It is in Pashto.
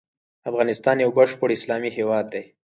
افغانستان يو بشپړ اسلامي هيواد دی.